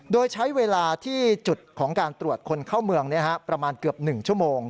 โดยใช้เวลาที่จุดของการตรวจคนเข้าเมืองประมาณเกือบ๑ชั่วโมง